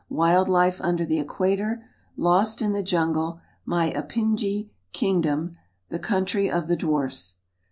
Wild Life under the Equator. Lost in the Jungle. My Apingi Kingdom. The Country of the Dwarfs.